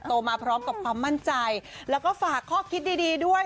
มาพร้อมกับความมั่นใจแล้วก็ฝากข้อคิดดีดีด้วย